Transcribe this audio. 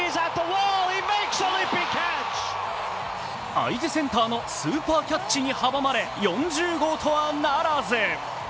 相手センターのスーパーキャッチに阻まれ４０号とはならず。